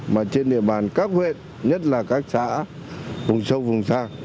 mà trên địa bàn các huyện nhất là các xã vùng sâu vùng xa